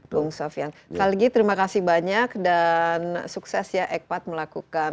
bung sofian sekali lagi terima kasih banyak dan sukses ya ekpat melakukan